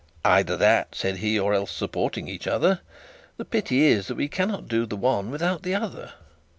'Either that,' said he, 'or else supporting each other. The pity is that we cannot do the one without the other.